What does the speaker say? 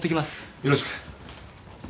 よろしく。